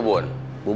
bubun sempet kembali